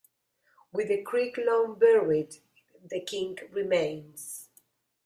With the creek long-buried, the kink remains.